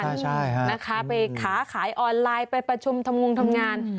ไปขาขายออนไลน์ไปประชุมทำงงทำงาน